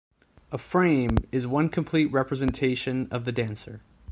A "frame" is one complete representation of the dancer.